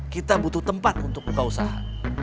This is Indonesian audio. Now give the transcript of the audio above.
kita butuh tempat untuk buka usaha